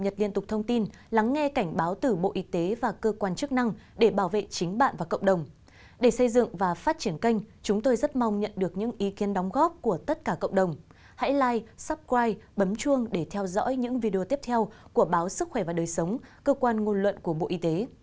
sức khỏe và đời sống cơ quan ngôn luận của bộ y tế